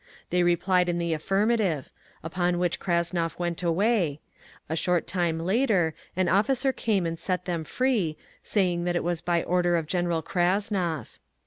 They replied in the affirmative—upon which Krasnov went away; a short time later an officer came and set them free, saying that it was by order of General Krasnov….